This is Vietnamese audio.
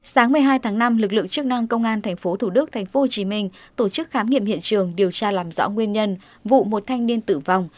sáng một mươi hai tháng năm lực lượng chức năng công an tp thủ đức tp hcm tổ chức khám nghiệm hiện trường điều tra làm rõ nguyên nhân vụ một thanh niên tử vong